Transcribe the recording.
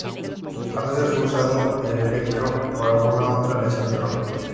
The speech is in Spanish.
A veces fue usado el electro o alguna otra aleación del oro.